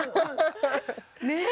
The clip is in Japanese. ねえ！